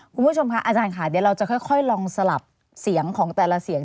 คุณผู้ชมค่ะอาจารย์ค่ะเดี๋ยวเราจะค่อยลองสลับเสียงของแต่ละเสียง